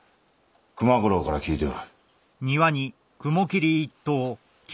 熊五郎から聞いておる。